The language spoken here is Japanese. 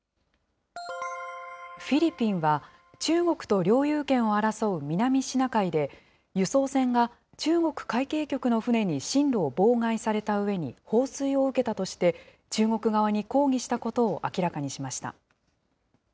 フィリピンは、中国と領有権を争う南シナ海で、輸送船が中国海警局の船に進路を妨害されたうえに、放水を受けたとして、中国側に抗議したことを明らかにしました。